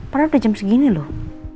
padahal udah jam segini loh